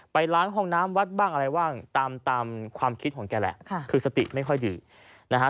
ล้างห้องน้ำวัดบ้างอะไรบ้างตามตามความคิดของแกแหละคือสติไม่ค่อยดีนะฮะ